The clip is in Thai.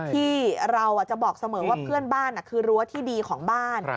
ที่เราจะบอกเสมอว่าเพื่อนบ้านคือรั้วที่ดีของบ้าน